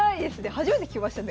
初めて聞きましたね